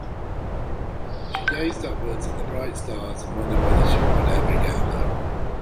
She gazed upwards at the bright stars and wondered whether she would ever get home.